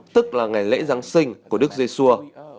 tức là ngày lễ giáng sinh của đức dưới xua